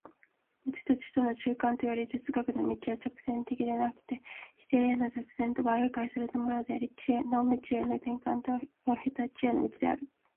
無知と知との中間といわれる哲学の道は直線的でなくて否定の断絶に媒介されたものであり、知の無知への転換を経た知への道である。